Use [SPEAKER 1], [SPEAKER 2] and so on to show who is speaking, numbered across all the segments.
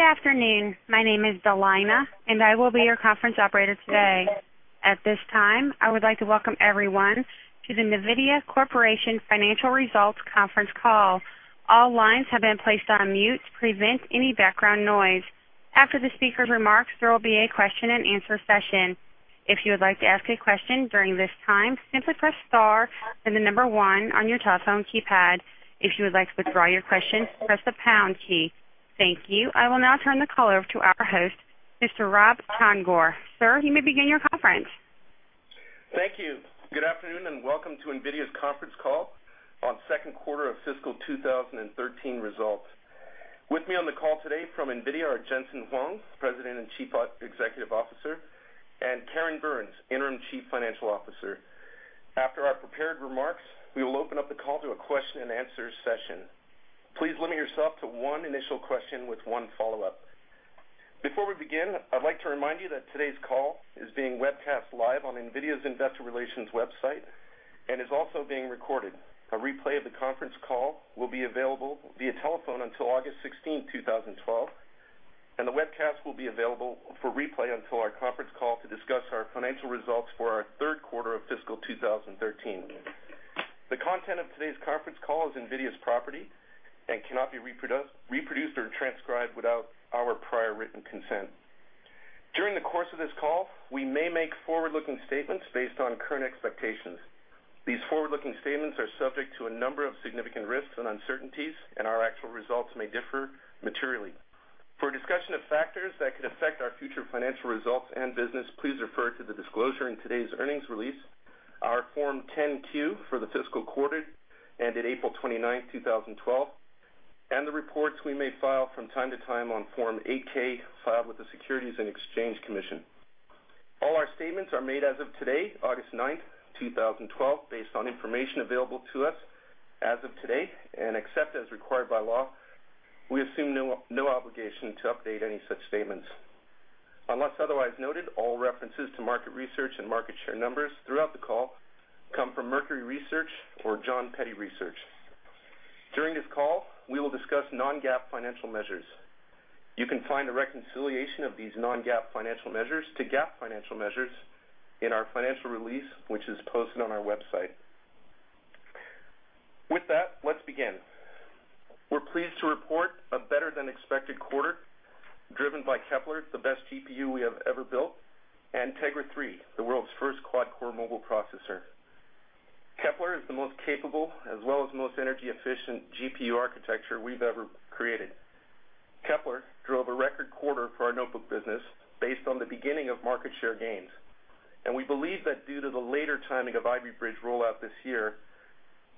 [SPEAKER 1] Good afternoon. My name is Delina, and I will be your conference operator today. At this time, I would like to welcome everyone to the NVIDIA Corporation Financial Results Conference Call. All lines have been placed on mute to prevent any background noise. After the speaker's remarks, there will be a question and answer session. If you would like to ask a question during this time, simply press star, then the number one on your telephone keypad. If you would like to withdraw your question, press the pound key. Thank you. I will now turn the call over to our host, Mr. Rob Csongor. Sir, you may begin your conference.
[SPEAKER 2] Thank you. Good afternoon, and welcome to NVIDIA's conference call on second quarter of fiscal 2013 results. With me on the call today from NVIDIA are Jensen Huang, President and Chief Executive Officer, and Karen Burns, Interim Chief Financial Officer. After our prepared remarks, we will open up the call to a question and answer session. Please limit yourself to one initial question with one follow-up. Before we begin, I'd like to remind you that today's call is being webcast live on NVIDIA's investor relations website and is also being recorded. A replay of the conference call will be available via telephone until August 16th, 2012, and the webcast will be available for replay until our conference call to discuss our financial results for our third quarter of fiscal 2013. The content of today's conference call is NVIDIA's property and cannot be reproduced or transcribed without our prior written consent. During the course of this call, we may make forward-looking statements based on current expectations. These forward-looking statements are subject to a number of significant risks and uncertainties, and our actual results may differ materially. For a discussion of factors that could affect our future financial results and business, please refer to the disclosure in today's earnings release, our Form 10-Q for the fiscal quarter that ended April 29th, 2012, and the reports we may file from time to time on Form 8-K filed with the Securities and Exchange Commission. All our statements are made as of today, August 9th, 2012, based on information available to us as of today, and except as required by law, we assume no obligation to update any such statements. Unless otherwise noted, all references to market research and market share numbers throughout the call come from Mercury Research or Jon Peddie Research. During this call, we will discuss non-GAAP financial measures. You can find a reconciliation of these non-GAAP financial measures to GAAP financial measures in our financial release, which is posted on our website. With that, let's begin. We're pleased to report a better-than-expected quarter driven by Kepler, the best GPU we have ever built, and Tegra 3, the world's first quad-core mobile processor. Kepler is the most capable as well as most energy-efficient GPU architecture we've ever created. Kepler drove a record quarter for our notebook business based on the beginning of market share gains. We believe that due to the later timing of Ivy Bridge rollout this year,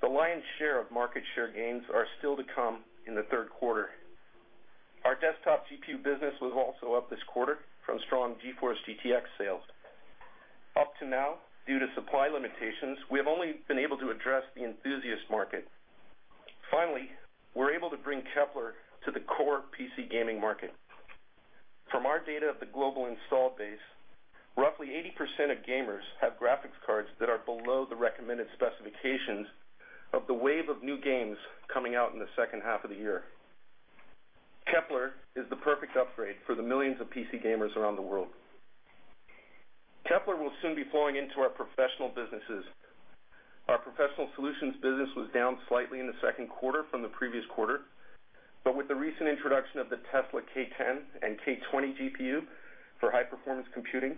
[SPEAKER 2] the lion's share of market share gains are still to come in the third quarter. Our desktop GPU business was also up this quarter from strong GeForce GTX sales. Up to now, due to supply limitations, we have only been able to address the enthusiast market. Finally, we're able to bring Kepler to the core PC gaming market. From our data of the global installed base, roughly 80% of gamers have graphics cards that are below the recommended specifications of the wave of new games coming out in the second half of the year. Kepler is the perfect upgrade for the millions of PC gamers around the world. Kepler will soon be flowing into our professional businesses. Our professional solutions business was down slightly in the second quarter from the previous quarter, but with the recent introduction of the Tesla K10 and K20 GPU for high-performance computing,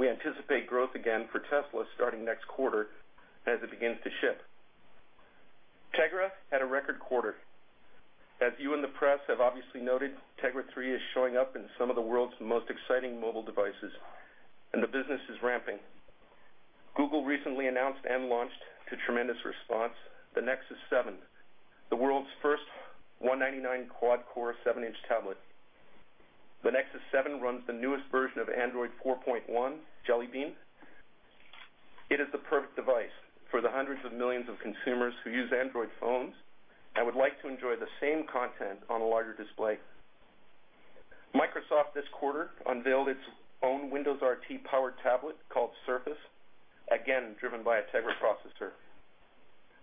[SPEAKER 2] we anticipate growth again for Tesla starting next quarter as it begins to ship. Tegra had a record quarter. As you in the press have obviously noted, Tegra 3 is showing up in some of the world's most exciting mobile devices, the business is ramping. Google recently announced and launched, to tremendous response, the Nexus 7, the world's first $199 quad-core seven-inch tablet. The Nexus 7 runs the newest version of Android 4.1 Jelly Bean. It is the perfect device for the hundreds of millions of consumers who use Android phones and would like to enjoy the same content on a larger display. Microsoft this quarter unveiled its own Windows RT-powered tablet called Surface, again, driven by a Tegra processor.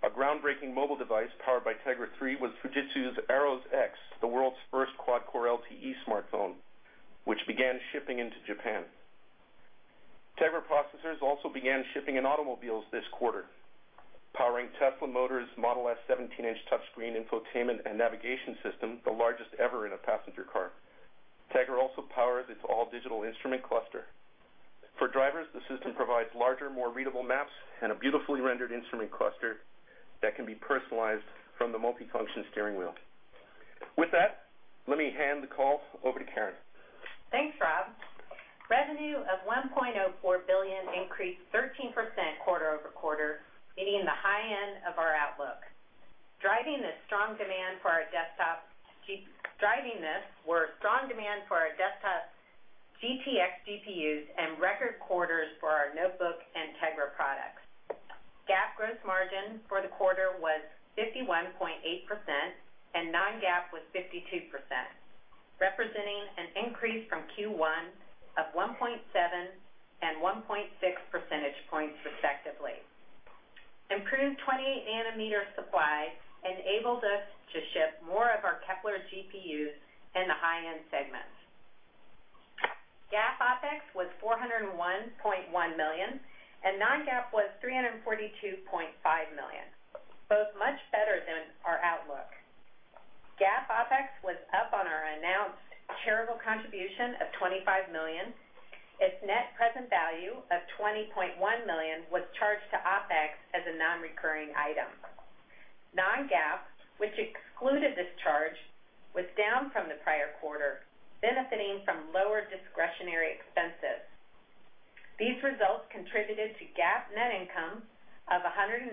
[SPEAKER 2] A groundbreaking mobile device powered by Tegra 3 was Fujitsu's Arrows X, the world's first quad-core LTE smartphone, which began shipping into Japan. Tegra processors also began shipping in automobiles this quarter, powering Tesla Motors' Model S 17-inch touchscreen infotainment and navigation system, the largest ever in a passenger car. Tegra also powers its all-digital instrument cluster. For drivers, the system provides larger, more readable maps and a beautifully rendered instrument cluster that can be personalized from the multifunction steering wheel. With that, let me hand the call over to Karen.
[SPEAKER 3] Thanks, Rob. Revenue of $1.04 billion increased 13% quarter-over-quarter, meeting the high end of our outlook. Driving this were strong demand for our desktop GTX GPUs and record quarters for our notebook and Tegra products. GAAP gross margin for the quarter was 51.8% and non-GAAP was 52%, representing an increase from Q1 of 1.7 and 1.6 percentage points respectively. Improved 28-nanometer supply enabled us to ship more of our Kepler GPUs in the high-end segments. GAAP OPEX was $401.1 million, non-GAAP was $342.5 million, both much better than our outlook. GAAP OPEX was up on our announced charitable contribution of $25 million. Its net present value of $20.1 million was charged to OPEX as a non-recurring item. Non-GAAP, which excluded this charge, was down from the prior quarter, benefiting from lower discretionary expenses. These results contributed to GAAP net income of $119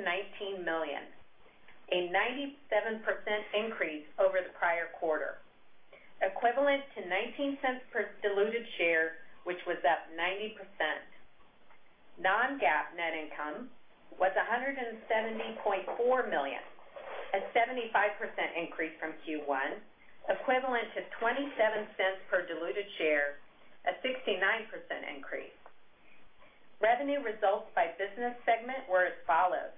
[SPEAKER 3] million, a 97% increase over the prior quarter, equivalent to $0.19 per diluted share, which was up 90%. Non-GAAP net income was $170.4 million, a 75% increase from Q1, equivalent to $0.27 per diluted share, a 69% increase. Revenue results by business segment were as follows.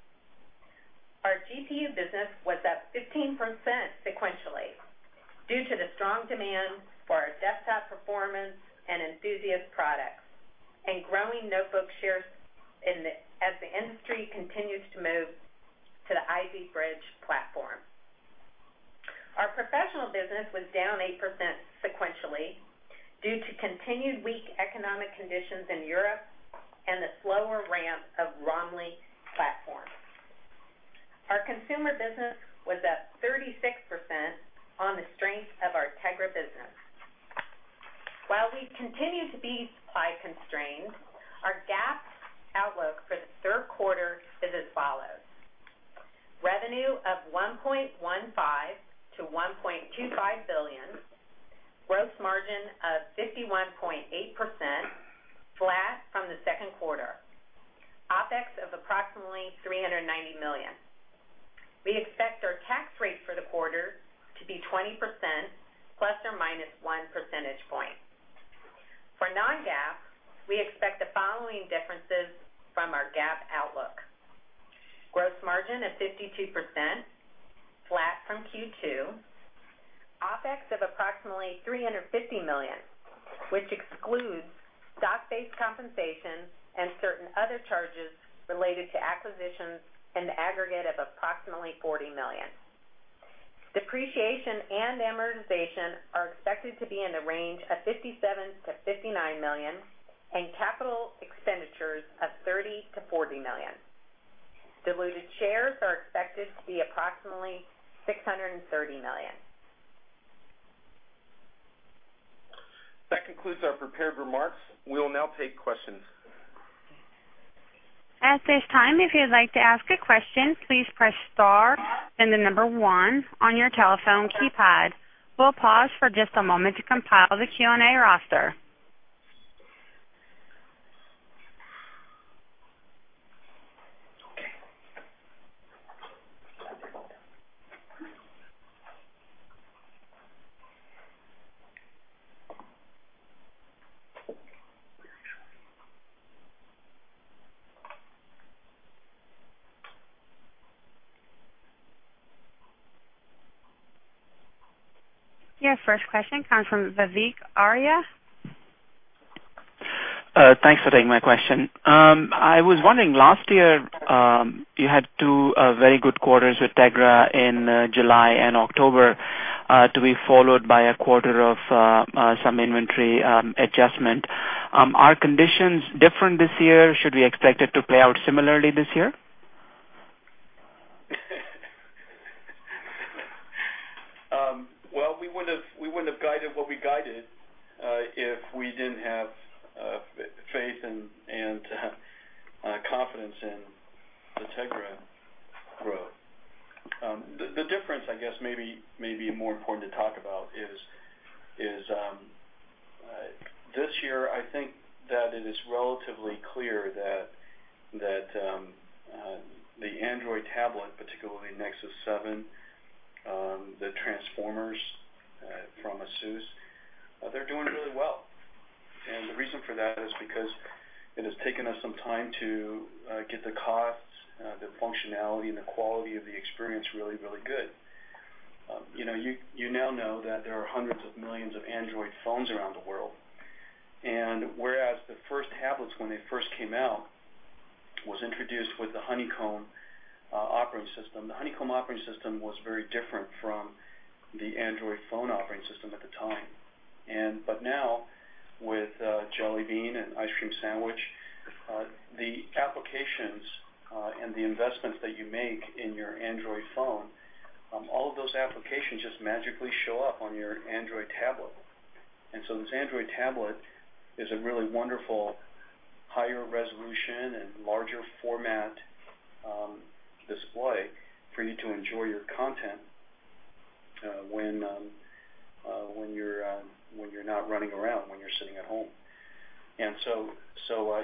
[SPEAKER 3] Our GPU business was up 15% sequentially due to the strong demand for our desktop performance and enthusiast products and growing notebook shares as the industry continues to move to the Ivy Bridge platform. Our professional business was down 8% sequentially due to continued weak economic conditions in Europe and the slower ramp of Romley platform. Our consumer business was up 36% on the strength of our Tegra business. While we continue to be supply constrained, our GAAP outlook for the third quarter is as follows: revenue of $1.15 billion-$1.25 billion, gross margin of 51.8%, flat from the second quarter, OPEX of approximately $390 million. We expect our tax rate for the quarter to be 20%, plus or minus one percentage point. Non-GAAP, we expect the following differences from our GAAP outlook. Gross margin of 52%, flat from Q2, OPEX of approximately $350 million, which excludes stock-based compensation and certain other charges related to acquisitions in the aggregate of approximately $40 million. Depreciation and amortization are expected to be in the range of $57 million-$59 million, capital expenditures of $30 million-$40 million. Diluted shares are expected to be approximately 630 million.
[SPEAKER 2] That concludes our prepared remarks. We will now take questions.
[SPEAKER 1] At this time, if you'd like to ask a question, please press star, then the number one on your telephone keypad. We'll pause for just a moment to compile the Q&A roster. Your first question comes from Vivek Arya.
[SPEAKER 4] Thanks for taking my question. I was wondering, last year, you had two very good quarters with Tegra in July and October, to be followed by a quarter of some inventory adjustment. Are conditions different this year? Should we expect it to play out similarly this year?
[SPEAKER 5] Well, we wouldn't have guided what we guided if we didn't have faith and confidence in the Tegra growth. The difference, I guess, maybe more important to talk about is this year, I think that it is relatively clear that the Android tablet, particularly Nexus 7, the Transformers from ASUS, they're doing really well. The reason for that is because it has taken us some time to get the costs, the functionality, and the quality of the experience really, really good. You now know that there are hundreds of millions of Android phones around the world. Whereas the first tablets when they first came out was introduced with the Honeycomb operating system. The Honeycomb operating system was very different from the Android phone operating system at the time. Now, with Jelly Bean and Ice Cream Sandwich, the applications and the investments that you make in your Android phone, all of those applications just magically show up on your Android tablet. This Android tablet is a really wonderful higher resolution and larger format display for you to enjoy your content when you're not running around, when you're sitting at home.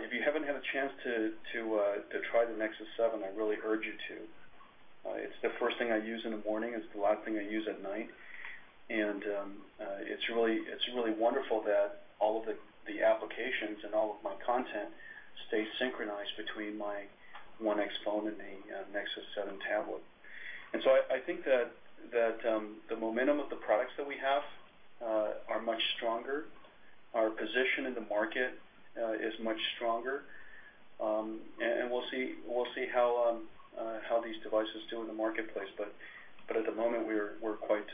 [SPEAKER 5] If you haven't had a chance to try the Nexus 7, I really urge you to. It's the first thing I use in the morning, it's the last thing I use at night. It's really wonderful that all of the applications and all of my content stay synchronized between my 1X phone and the Nexus 7 tablet. I think that the momentum of the products that we have are much stronger, our position in the market is much stronger, and we'll see how these devices do in the marketplace. At the moment, we're quite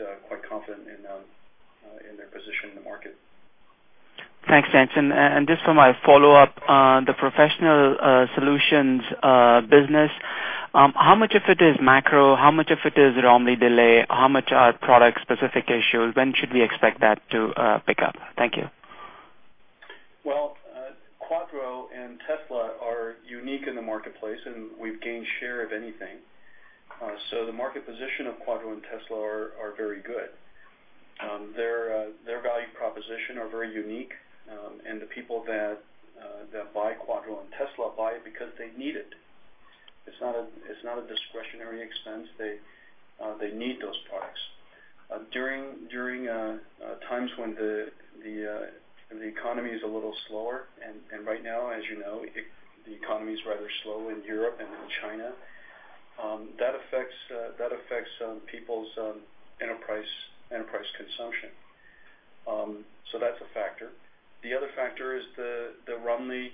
[SPEAKER 5] confident in their position in the market.
[SPEAKER 4] Thanks, Jensen. Just for my follow-up, the professional solutions business, how much of it is macro? How much of it is Romley delay? How much are product-specific issues? When should we expect that to pick up? Thank you.
[SPEAKER 5] Well, Quadro and Tesla are unique in the marketplace, and we've gained share of anything. The market position of Quadro and Tesla are very good. Their value proposition are very unique, and the people that buy Quadro and Tesla buy it because they need it. It's not a discretionary expense. They need those products. During times when the economy is a little slower, and right now, as you know, the economy's rather slow in Europe and in China, that affects people's enterprise consumption. That's a factor. The other factor is the Romley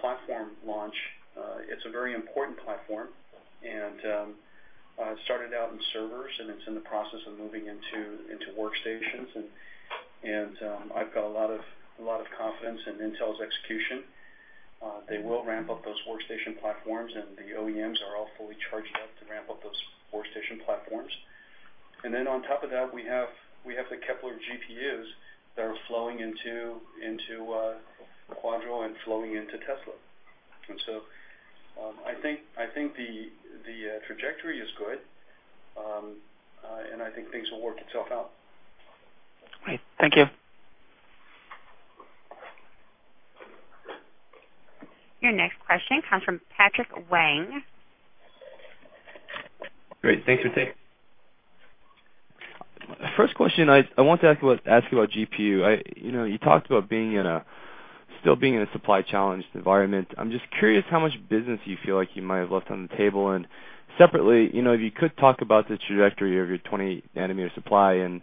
[SPEAKER 5] platform launch. It's a very important platform, and it started out in servers, and it's in the process of moving into workstations. I've got a lot of confidence in Intel's execution. They will ramp up those workstation platforms, and the OEMs are all fully charged up to ramp up those workstation platforms. Then on top of that, we have the Kepler GPUs that are flowing into Quadro and flowing into Tesla. I think the trajectory is good, and I think things will work itself out.
[SPEAKER 4] Great. Thank you.
[SPEAKER 1] Your next question comes from Patrick Wang.
[SPEAKER 6] Great. First question, I want to ask you about GPU. You talked about still being in a supply-challenged environment. I'm just curious how much business you feel like you might have left on the table, and separately, if you could talk about the trajectory of your 28 nanometer supply and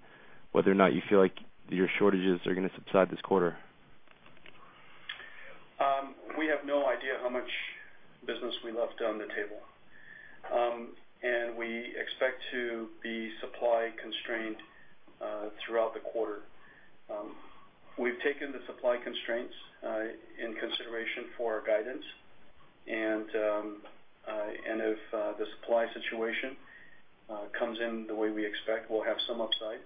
[SPEAKER 6] whether or not you feel like your shortages are going to subside this quarter.
[SPEAKER 5] We have no idea how much business we left on the table. We expect to be supply constrained throughout the quarter. We've taken the supply constraints in consideration for our guidance. If the supply situation comes in the way we expect, we'll have some upside.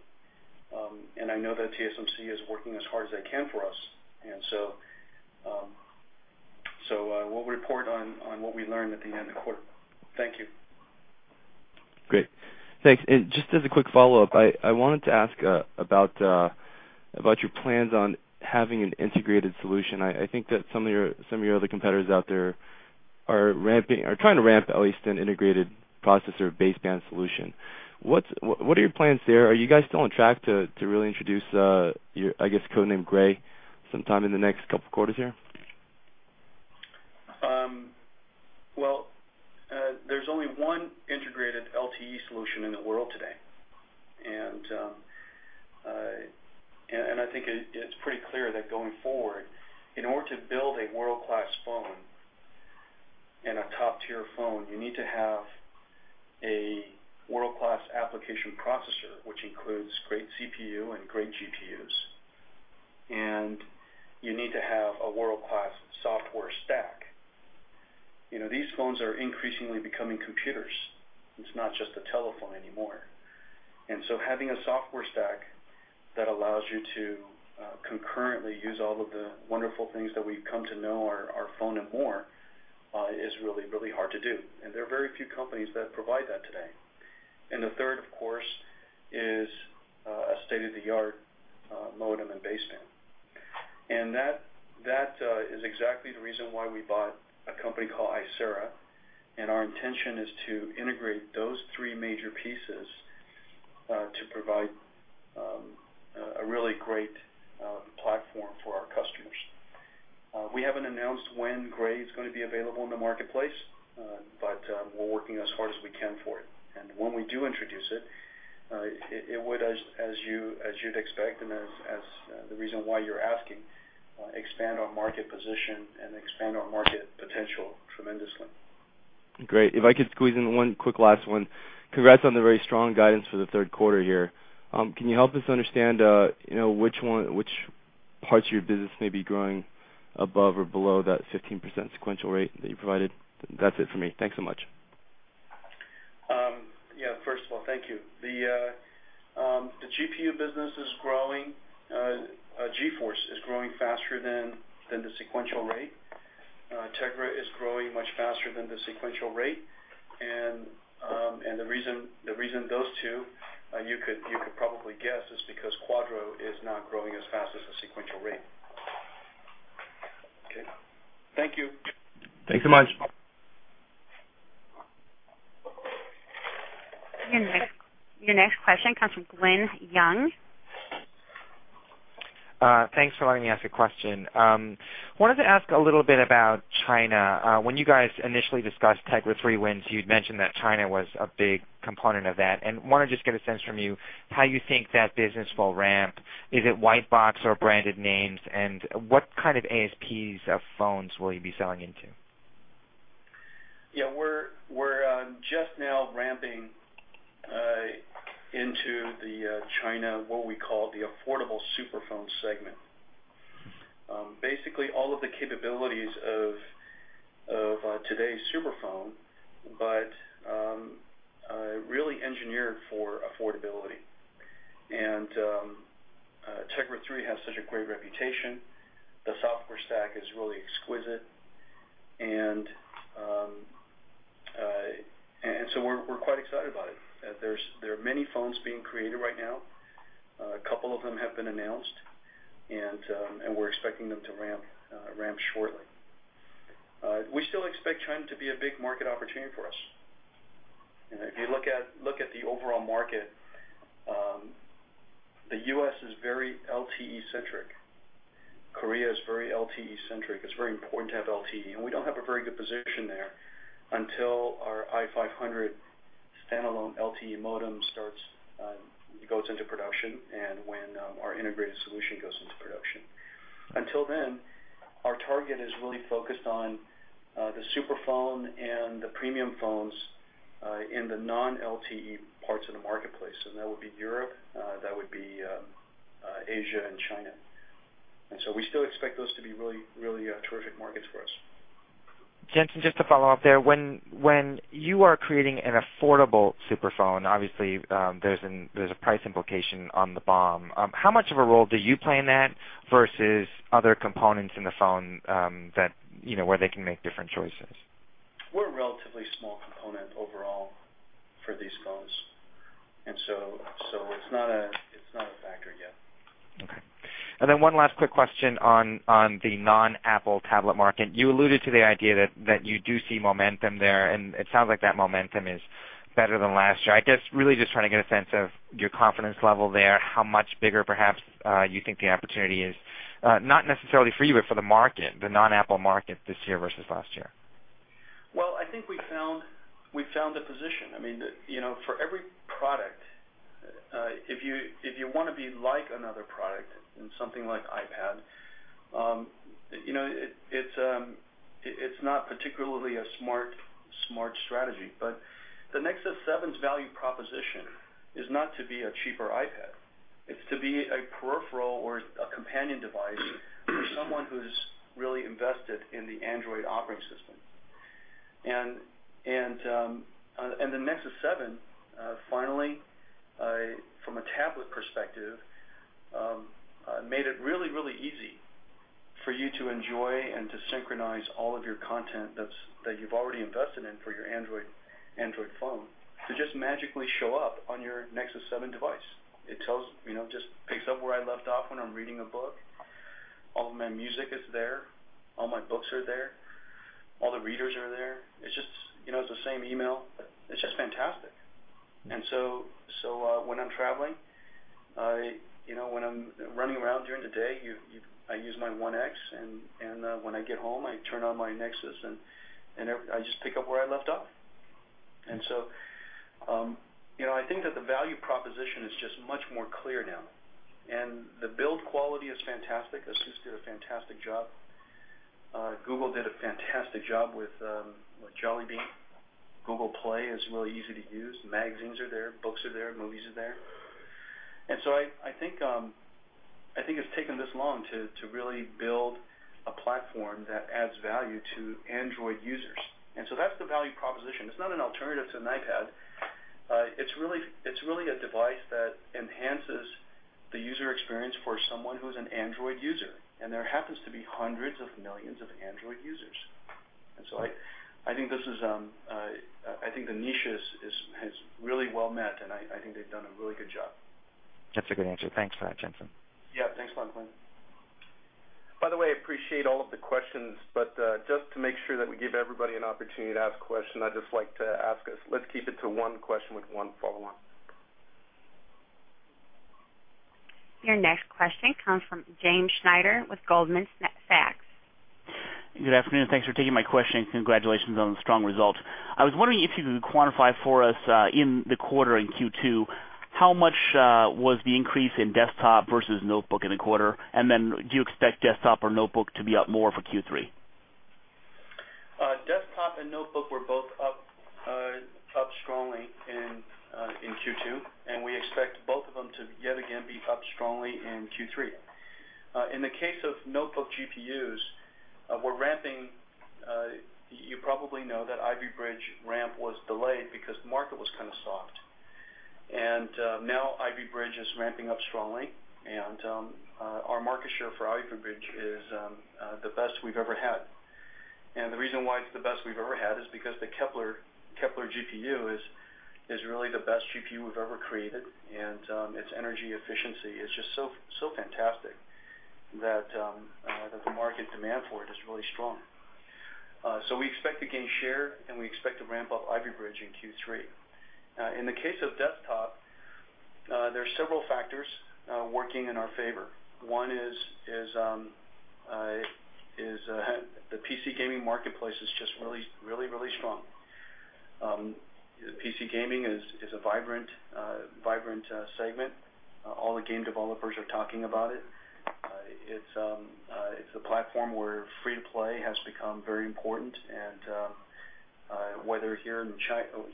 [SPEAKER 5] I know that TSMC is working as hard as they can for us. We'll report on what we learned at the end of the quarter. Thank you.
[SPEAKER 6] Great. Thanks. Just as a quick follow-up, I wanted to ask about your plans on having an integrated solution. I think that some of your other competitors out there are trying to ramp at least an integrated processor baseband solution. What are your plans there? Are you guys still on track to really introduce your, I guess, codename Grey sometime in the next couple of quarters here?
[SPEAKER 5] Well, there's only one integrated LTE solution in the world today. I think it's pretty clear that going forward, in order to build a world-class phone and a top-tier phone, you need to have a world-class application processor, which includes great CPU and great GPUs. You need to have a world-class software stack. These phones are increasingly becoming computers. It's not just a telephone anymore. So having a software stack that allows you to concurrently use all of the wonderful things that we've come to know our phone and more is really, really hard to do. There are very few companies that provide that today. The third, of course, is a state-of-the-art modem and baseband. That is exactly the reason why we bought a company called Icera, and our intention is to integrate those three major pieces to provide a really great platform for our customers. We haven't announced when Grey is going to be available in the marketplace, but we're working as hard as we can for it. When we do introduce it would, as you'd expect and as the reason why you're asking, expand our market position and expand our market potential tremendously.
[SPEAKER 6] Great. If I could squeeze in one quick last one. Congrats on the very strong guidance for the third quarter here. Can you help us understand which parts of your business may be growing above or below that 15% sequential rate that you provided? That's it for me. Thanks so much.
[SPEAKER 5] Yeah. First of all, thank you. The GPU business is growing. GeForce is growing faster than the sequential rate. Tegra is growing much faster than the sequential rate. The reason those two, you could probably guess, is because Quadro is not growing as fast as the sequential rate. Okay. Thank you.
[SPEAKER 6] Thanks so much.
[SPEAKER 1] Your next question comes from Glenn Yeung.
[SPEAKER 7] Thanks for letting me ask a question. Wanted to ask a little bit about China. When you guys initially discussed Tegra 3 wins, you'd mentioned that China was a big component of that, want to just get a sense from you how you think that business will ramp. Is it white box or branded names? What kind of ASPs of phones will you be selling into?
[SPEAKER 5] Yeah, we're just now ramping into the China, what we call the affordable super phone segment. Basically, all of the capabilities of today's super phone, but really engineered for affordability. Tegra 3 has such a great reputation. The software stack is really exquisite, so we're quite excited about it. There are many phones being created right now. A couple of them have been announced, and we're expecting them to ramp shortly. We still expect China to be a big market opportunity for us. If you look at the overall market, the U.S. is very LTE centric. Korea is very LTE centric. It's very important to have LTE, and we don't have a very good position there until our i500 standalone LTE modem goes into production and when our integrated solution goes into production. Until then, our target is really focused on the super phone and the premium phones in the non-LTE parts of the marketplace. That would be Europe, that would be Asia and China. So we still expect those to be really terrific markets for us.
[SPEAKER 7] Jensen, just to follow up there, when you are creating an affordable super phone, obviously, there's a price implication on the BOM. How much of a role do you play in that versus other components in the phone where they can make different choices?
[SPEAKER 5] We're a relatively small component overall for these phones, so it's not a factor yet.
[SPEAKER 7] Okay. One last quick question on the non-Apple tablet market. You alluded to the idea that you do see momentum there, and it sounds like that momentum is better than last year. I guess really just trying to get a sense of your confidence level there, how much bigger perhaps you think the opportunity is, not necessarily for you, but for the market, the non-Apple market this year versus last year.
[SPEAKER 5] Well, I think we found the position. For every product, if you want to be like another product in something like iPad, it's not particularly a smart strategy. The Nexus 7's value proposition is not to be a cheaper iPad. It's to be a peripheral or a companion device for someone who's really invested in the Android operating system. The Nexus 7, finally, from a tablet perspective made it really, really easy for you to enjoy and to synchronize all of your content that you've already invested in for your Android phone to just magically show up on your Nexus 7 device. It just picks up where I left off when I'm reading a book. All of my music is there, all my books are there, all the readers are there. It's the same email. It's just fantastic. When I'm traveling, when I'm running around during the day, I use my HTC One X, and when I get home, I turn on my Nexus, and I just pick up where I left off. I think that the value proposition is just much more clear now, and the build quality is fantastic. ASUS did a fantastic job. Google did a fantastic job with Jelly Bean. Google Play is really easy to use. Magazines are there, books are there, movies are there. I think it's taken this long to really build a platform that adds value to Android users. That's the value proposition. It's not an alternative to an iPad. It's really a device that enhances the user experience for someone who's an Android user, and there happens to be hundreds of millions of Android users. I think the niche has really well met, and I think they've done a really good job.
[SPEAKER 7] That's a good answer. Thanks for that, Jensen.
[SPEAKER 5] Yeah. Thanks a lot, Glenn.
[SPEAKER 2] Appreciate all of the questions, just to make sure that we give everybody an opportunity to ask a question, I'd just like to ask us, let's keep it to one question with one follow-on.
[SPEAKER 1] Your next question comes from James Schneider with Goldman Sachs.
[SPEAKER 8] Good afternoon. Thanks for taking my question. Congratulations on the strong results. I was wondering if you could quantify for us in the quarter, in Q2, how much was the increase in desktop versus notebook in the quarter, and then do you expect desktop or notebook to be up more for Q3?
[SPEAKER 5] Desktop and notebook were both up strongly in Q2. We expect both of them to yet again be up strongly in Q3. In the case of notebook GPUs, we're ramping. You probably know that Ivy Bridge ramp was delayed because the market was kind of soft. Now Ivy Bridge is ramping up strongly, and our market share for Ivy Bridge is the best we've ever had. The reason why it's the best we've ever had is because the Kepler GPU is really the best GPU we've ever created, and its energy efficiency is just so fantastic that the market demand for it is really strong. We expect to gain share, and we expect to ramp up Ivy Bridge in Q3. In the case of desktop, there are several factors working in our favor. One is the PC gaming marketplace is just really, really strong. PC gaming is a vibrant segment. All the game developers are talking about it. It's a platform where free-to-play has become very important, and whether here in the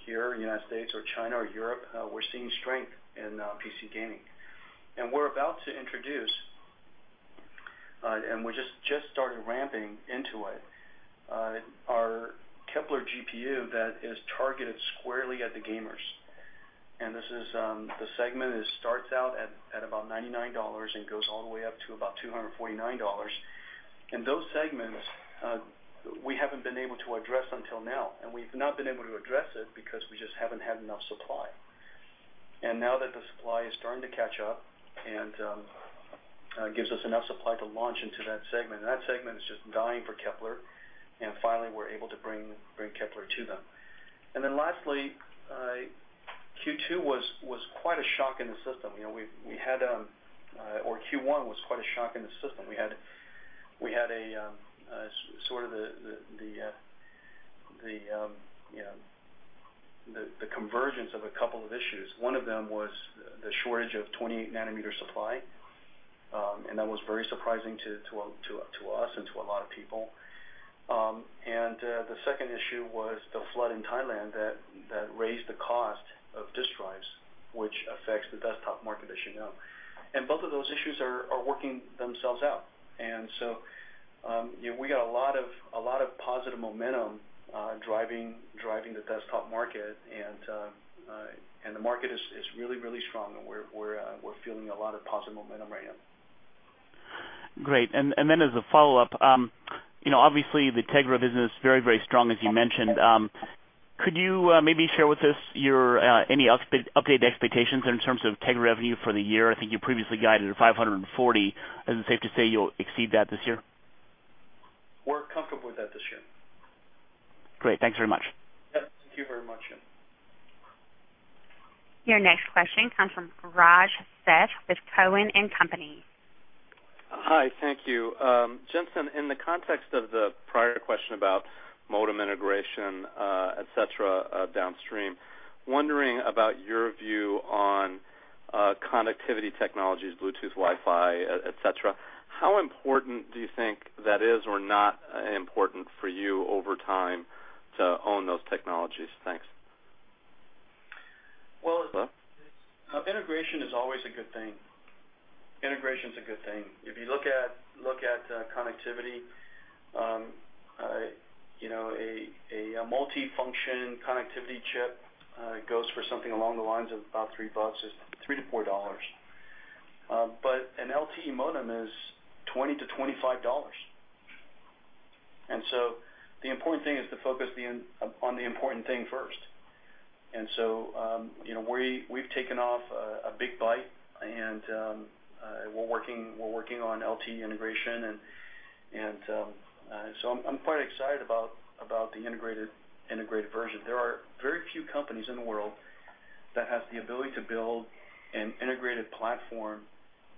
[SPEAKER 5] U.S. or China or Europe, we're seeing strength in PC gaming. We're about to introduce, and we just started ramping into it, our Kepler GPU that is targeted squarely at the gamers. The segment starts out at about $99 and goes all the way up to about $249. Those segments, we haven't been able to address until now, and we've not been able to address it because we just haven't had enough supply. Now that the supply is starting to catch up, and gives us enough supply to launch into that segment, and that segment is just dying for Kepler, and finally, we're able to bring Kepler to them. Lastly, Q2 was quite a shock in the system. Q1 was quite a shock in the system. We had the convergence of a couple of issues. One of them was the shortage of 28-nanometer supply, and that was very surprising to us and to a lot of people. The second issue was the flood in Thailand that raised the cost of disk drives, which affects the desktop market, as you know. Both of those issues are working themselves out. So, we got a lot of positive momentum driving the desktop market, and the market is really, really strong, and we're feeling a lot of positive momentum right now.
[SPEAKER 8] Great. As a follow-up, obviously, the Tegra business, very, very strong, as you mentioned. Could you maybe share with us any updated expectations in terms of Tegra revenue for the year? I think you previously guided at $540. Is it safe to say you'll exceed that this year?
[SPEAKER 5] We're comfortable with that this year.
[SPEAKER 8] Great. Thanks very much.
[SPEAKER 5] Yep. Thank you very much.
[SPEAKER 1] Your next question comes from Rajesh Seth with Cowen and Company.
[SPEAKER 9] Hi. Thank you. Jensen, in the context of the prior question about modem integration, et cetera, downstream, wondering about your view on connectivity technologies, Bluetooth, Wi-Fi, et cetera. How important do you think that is or not important for you over time to own those technologies? Thanks.
[SPEAKER 5] Integration is always a good thing. Integration's a good thing. If you look at connectivity, a multifunction connectivity chip goes for something along the lines of about $3-$4. An LTE modem is $20-$25. The important thing is to focus on the important thing first. We've taken off a big bite, and we're working on LTE integration, so I'm quite excited about the integrated version. There are very few companies in the world that have the ability to build an integrated platform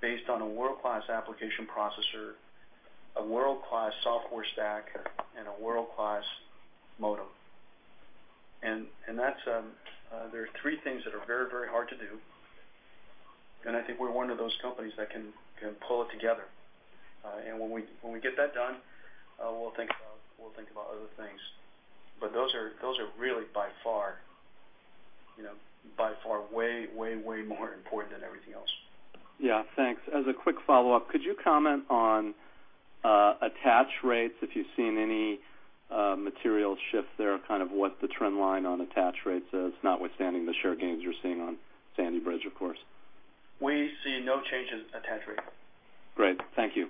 [SPEAKER 5] based on a world-class application processor, a world-class software stack, and a world-class modem. There are three things that are very, very hard to do, and I think we're one of those companies that can pull it together. When we get that done, we'll think about other things. Those are really by far way, way more important than everything else.
[SPEAKER 9] Yeah. Thanks. As a quick follow-up, could you comment on attach rates, if you've seen any material shift there, kind of what the trend line on attach rates is, notwithstanding the share gains you're seeing on Sandy Bridge, of course.
[SPEAKER 5] We see no change in attach rate.
[SPEAKER 9] Great. Thank you.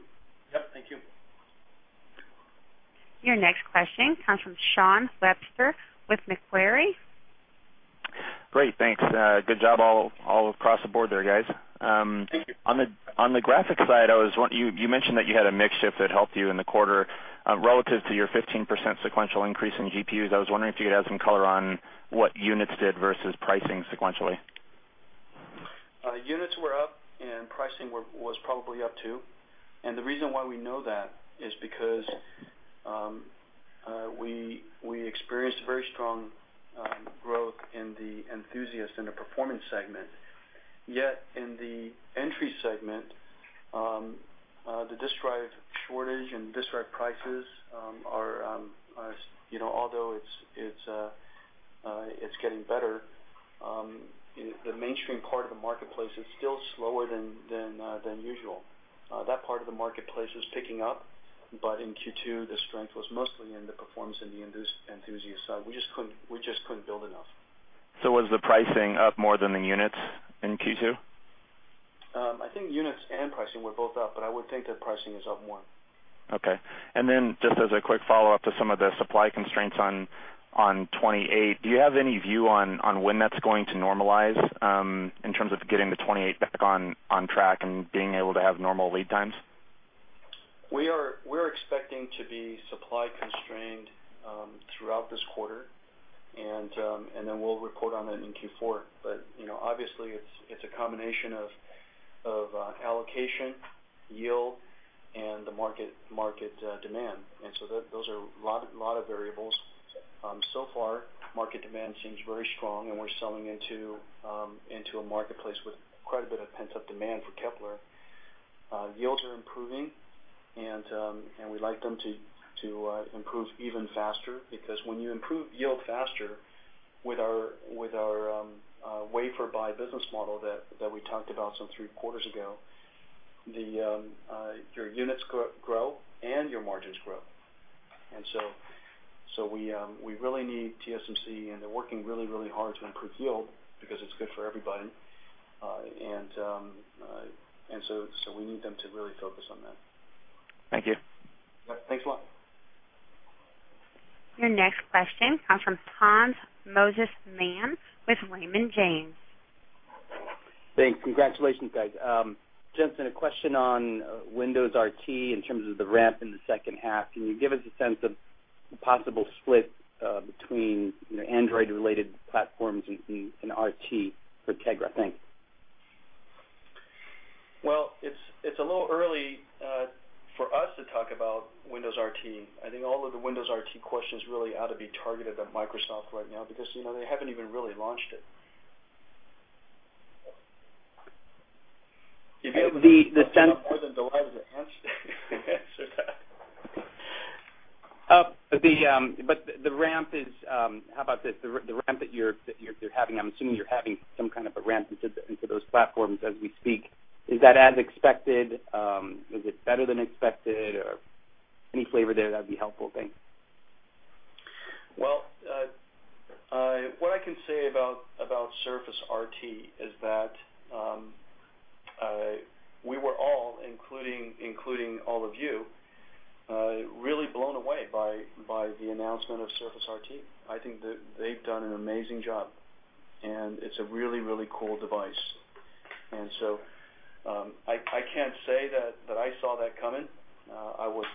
[SPEAKER 5] Yep. Thank you.
[SPEAKER 1] Your next question comes from Shawn Webster with Macquarie.
[SPEAKER 10] Great. Thanks. Good job all across the board there, guys.
[SPEAKER 5] Thank you.
[SPEAKER 10] On the graphics side, you mentioned that you had a mix shift that helped you in the quarter relative to your 15% sequential increase in GPUs. I was wondering if you could add some color on what units did versus pricing sequentially.
[SPEAKER 5] Units were up, pricing was probably up, too. The reason why we know that is because we experienced very strong growth in the enthusiast and the performance segment. Yet in the entry segment, the disk drive shortage and disk drive prices are, although it's getting better, the mainstream part of the marketplace is still slower than usual. That part of the marketplace is picking up, but in Q2, the strength was mostly in the performance and the enthusiast side. We just couldn't build enough.
[SPEAKER 10] Was the pricing up more than the units in Q2?
[SPEAKER 5] I think units and pricing were both up, but I would think that pricing is up more.
[SPEAKER 10] Okay. Just as a quick follow-up to some of the supply constraints on 28, do you have any view on when that's going to normalize in terms of getting the 28 back on track and being able to have normal lead times?
[SPEAKER 5] We're expecting to be supply constrained throughout this quarter. Then we'll report on that in Q4. Obviously it's a combination of allocation, yield, and the market demand. Those are a lot of variables. Far, market demand seems very strong, and we're selling into a marketplace with quite a bit of pent-up demand for Kepler. Yields are improving. We'd like them to improve even faster, because when you improve yield faster with our wafer buy business model that we talked about some three quarters ago, your units grow and your margins grow. We really need TSMC, and they're working really hard to improve yield because it's good for everybody. We need them to really focus on that.
[SPEAKER 10] Thank you.
[SPEAKER 5] Yeah. Thanks a lot.
[SPEAKER 1] Your next question comes from Hans Mosesmann with Raymond James.
[SPEAKER 11] Thanks. Congratulations, guys. Jensen, a question on Windows RT in terms of the ramp in the second half. Can you give us a sense of the possible split between Android-related platforms and RT for Tegra? Thanks.
[SPEAKER 5] Well, it's a little early for us to talk about Windows RT. I think all of the Windows RT questions really ought to be targeted at Microsoft right now, because they haven't even really launched it.
[SPEAKER 11] How about this, the ramp that you're having, I'm assuming you're having some kind of a ramp into those platforms as we speak. Is that as expected? Is it better than expected? Or any flavor there, that'd be helpful. Thanks.
[SPEAKER 5] Well, what I can say about Surface RT is that we were all, including all of you, really blown away by the announcement of Surface RT. I think that they've done an amazing job, and it's a really cool device. I can't say that I saw that coming. I was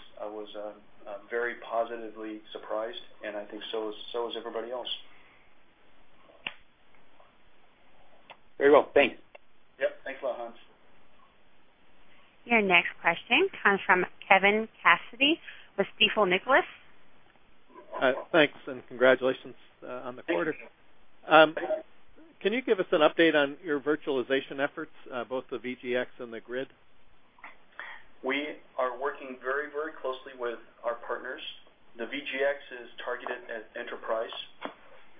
[SPEAKER 5] very positively surprised, and I think so is everybody else.
[SPEAKER 11] Very well. Thank you.
[SPEAKER 5] Yep. Thanks a lot, Hans.
[SPEAKER 1] Your next question comes from Kevin Cassidy with Stifel Nicolaus.
[SPEAKER 12] Thanks, congratulations on the quarter.
[SPEAKER 5] Thank you.
[SPEAKER 12] Can you give us an update on your virtualization efforts, both the VGX and the Grid?
[SPEAKER 5] We are working very closely with our partners. The VGX is targeted at enterprise.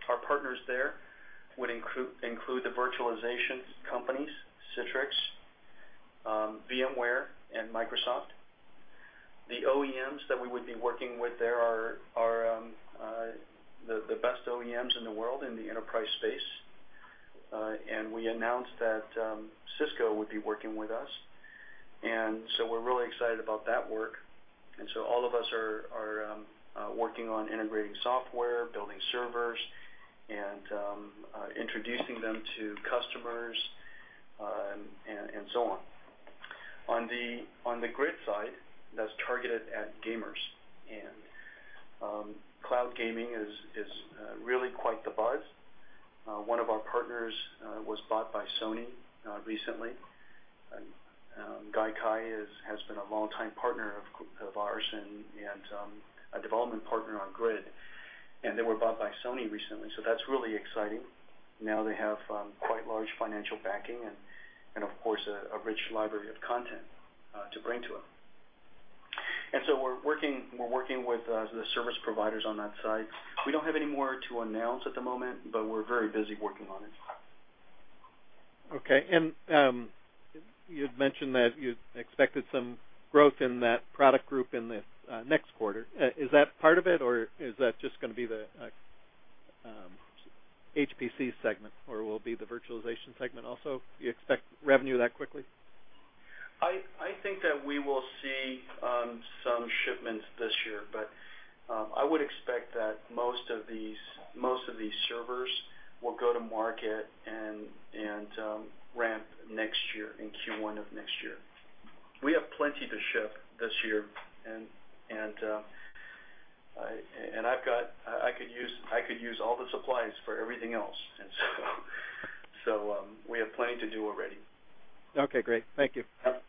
[SPEAKER 5] Our partners there would include the virtualization companies, Citrix, VMware, and Microsoft. The OEMs that we would be working with there are the best OEMs in the world in the enterprise space. We announced that Cisco would be working with us, so we're really excited about that work. All of us are working on integrating software, building servers, and introducing them to customers, and so on. On the Grid side, that's targeted at gamers, and cloud gaming is really quite the buzz. One of our partners was bought by Sony recently. Gaikai has been a long-time partner of ours and a development partner on Grid, and they were bought by Sony recently, so that's really exciting. Now they have quite large financial backing and, of course, a rich library of content to bring to them. We're working with the service providers on that side. We don't have any more to announce at the moment, but we're very busy working on it.
[SPEAKER 12] Okay. You'd mentioned that you expected some growth in that product group in the next quarter. Is that part of it, or is that just going to be the HPC segment? Or will it be the virtualization segment also? Do you expect revenue that quickly?
[SPEAKER 5] I think that we will see some shipments this year, I would expect that most of these servers will go to market and ramp next year, in Q1 of next year. We have plenty to ship this year, I could use all the supplies for everything else. We have plenty to do already.
[SPEAKER 12] Okay, great. Thank you.
[SPEAKER 5] Yeah. Thanks a lot.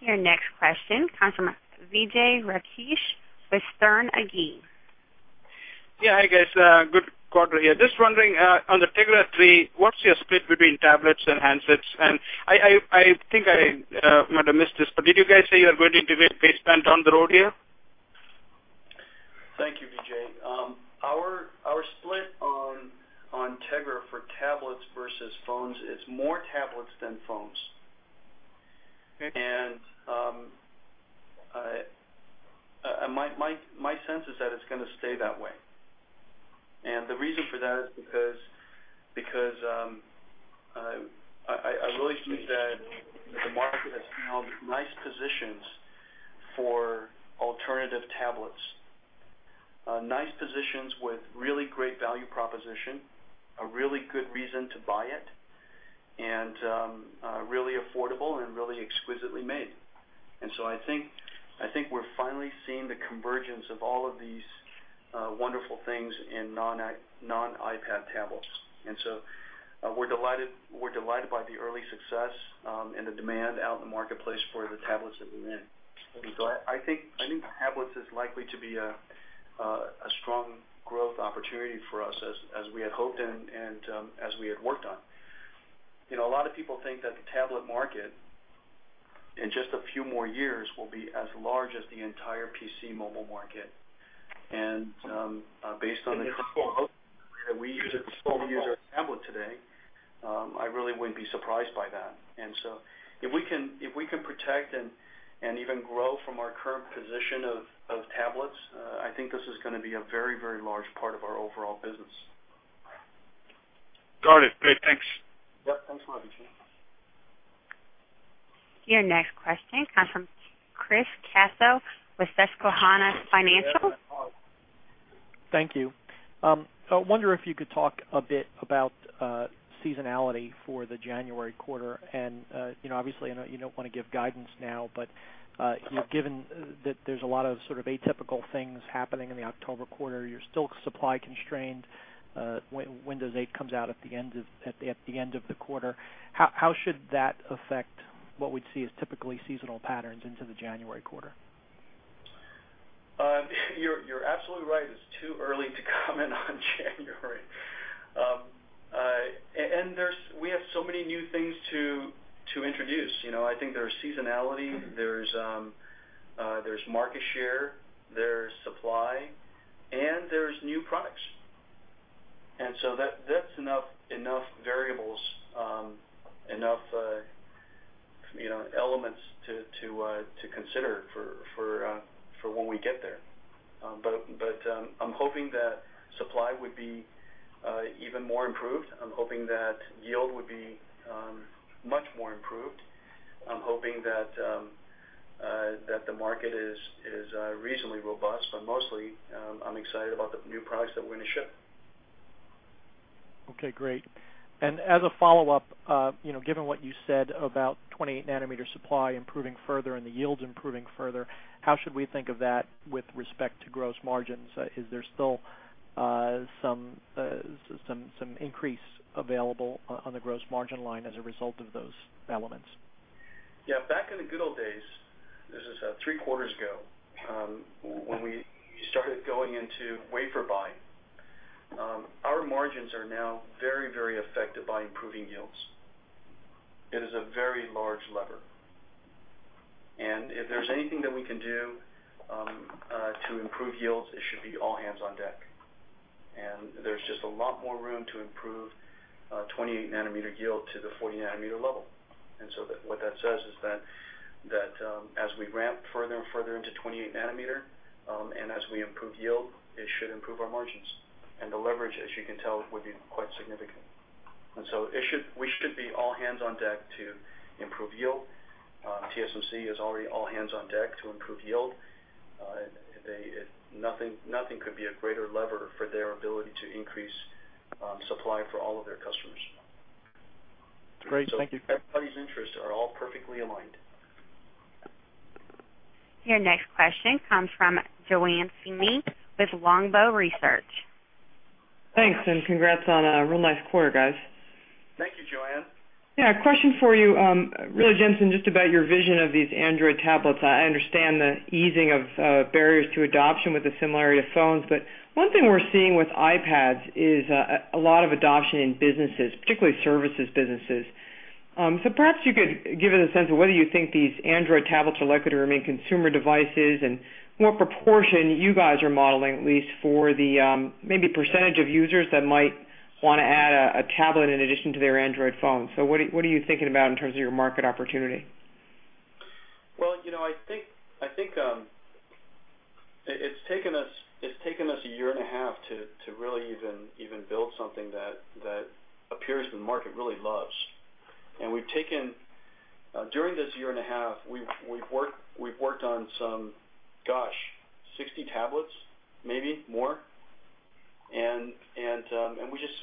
[SPEAKER 1] Your next question comes from Vijay Rakesh with Sterne Agee.
[SPEAKER 13] Yeah. Hi, guys. Good quarter here. Just wondering, on the Tegra 3, what's your split between tablets and handsets? I think I might have missed this, but did you guys say you are going to integrate baseband down the road here?
[SPEAKER 5] Thank you, Vijay. Our split on Tegra for tablets versus phones, it's more tablets than phones. My sense is that it's going to stay that way. The reason for that is because I really think that the market has found nice positions for alternative tablets, nice positions with really great value proposition, a really good reason to buy it, and really affordable and really exquisitely made. I think we're finally seeing the convergence of all of these wonderful things in non-iPad tablets. We're delighted by the early success, and the demand out in the marketplace for the tablets that we make.
[SPEAKER 13] Okay.
[SPEAKER 5] I think tablets is likely to be a strong growth opportunity for us as we had hoped and as we had worked on. A lot of people think that the tablet market in just a few more years will be as large as the entire PC mobile market. Based on the that we use our tablet today, I really wouldn't be surprised by that. If we can protect and even grow from our current position of tablets, I think this is going to be a very large part of our overall business.
[SPEAKER 13] Got it. Great. Thanks.
[SPEAKER 5] Yep. Thanks a lot, Vincent.
[SPEAKER 1] Your next question comes from Chris Caso with Susquehanna Financial.
[SPEAKER 14] Thank you. I wonder if you could talk a bit about seasonality for the January quarter. Obviously, I know you don't want to give guidance now, but given that there's a lot of atypical things happening in the October quarter, you're still supply constrained. Windows 8 comes out at the end of the quarter. How should that affect what we'd see as typical seasonal patterns into the January quarter?
[SPEAKER 5] You're absolutely right. It's too early to comment on January. We have so many new things to introduce. I think there's seasonality, there's market share, there's supply, and there's new products. That's enough variables, enough elements to consider for when we get there. I'm hoping that supply would be even more improved. I'm hoping that yield would be much more improved. I'm hoping that the market is reasonably robust, but mostly, I'm excited about the new products that we're going to ship.
[SPEAKER 14] Okay, great. As a follow-up, given what you said about 28-nanometer supply improving further and the yields improving further, how should we think of that with respect to gross margins? Is there still some increase available on the gross margin line as a result of those elements?
[SPEAKER 5] Yeah. Back in the good old days, this is three quarters ago, when we started going into wafer buying. Our margins are now very affected by improving yields. It is a very large lever, and if there's anything that we can do to improve yields, it should be all hands on deck. There's just a lot more room to improve 28-nanometer yield to the 40-nanometer level. What that says is that as we ramp further and further into 28-nanometer, and as we improve yield, it should improve our margins. The leverage, as you can tell, would be quite significant. We should be all hands on deck to improve yield. TSMC is already all hands on deck to improve yield. Nothing could be a greater lever for their ability to increase supply for all of their customers.
[SPEAKER 14] Great. Thank you.
[SPEAKER 5] Everybody's interests are all perfectly aligned.
[SPEAKER 1] Your next question comes from Joanne Feeney with Longbow Research.
[SPEAKER 15] Thanks, congrats on a real nice quarter, guys.
[SPEAKER 5] Thank you, Joanne.
[SPEAKER 15] Yeah. A question for you, really, Jensen, just about your vision of these Android tablets. I understand the easing of barriers to adoption with the similarity of phones, but one thing we're seeing with iPads is a lot of adoption in businesses, particularly services businesses. Perhaps you could give us a sense of whether you think these Android tablets are likely to remain consumer devices, and what proportion you guys are modeling, at least for the maybe percentage of users that might want to add a tablet in addition to their Android phone. What are you thinking about in terms of your market opportunity?
[SPEAKER 5] Well, I think it's taken us a year and a half to really even build something that appears the market really loves. During this year and a half, we've worked on some, gosh, 60 tablets, maybe more.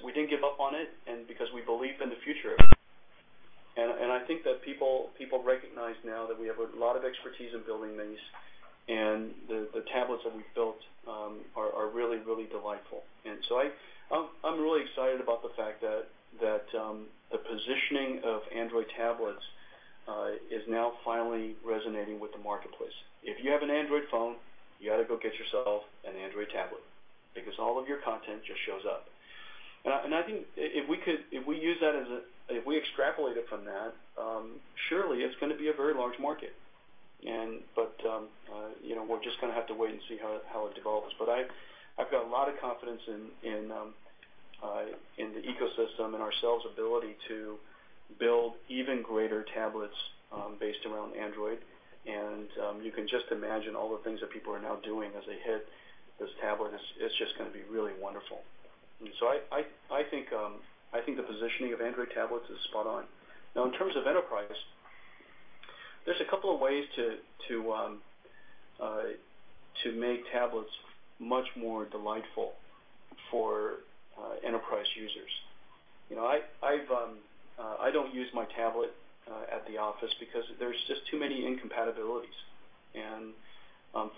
[SPEAKER 5] We didn't give up on it because we believe in the future of it. I think that people recognize now that we have a lot of expertise in building these, and the tablets that we've built are really delightful. I'm really excited about the fact that the positioning of Android tablets is now finally resonating with the marketplace. If you have an Android phone, you ought to go get yourself an Android tablet because all of your content just shows up. I think if we extrapolate it from that, surely it's going to be a very large market. We're just going to have to wait and see how it develops. I've got a lot of confidence in the ecosystem and ourselves ability to build even greater tablets based around Android. You can just imagine all the things that people are now doing as they hit this tablet. It's just going to be really wonderful. I think the positioning of Android tablets is spot on. Now, in terms of enterprise, there's a couple of ways to make tablets much more delightful for enterprise users. I don't use my tablet at the office because there's just too many incompatibilities.